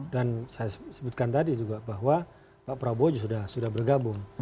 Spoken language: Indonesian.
dan saya sebutkan tadi juga bahwa pak prabowo sudah bergabung